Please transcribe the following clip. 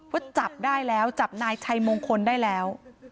จับได้แล้วจับนายชัยมงคลได้แล้ว